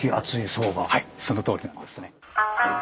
はいそのとおりなんですね。